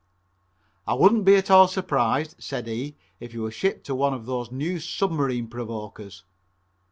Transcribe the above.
"I wouldn't be at all surprised," said he, "if you were shipped to one of these new Submarine Provokers."